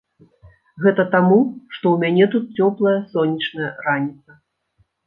Гэта таму, што ў мяне тут цёплая сонечная раніца.